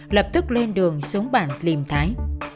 lập tức lên đường xuống bản liêm thái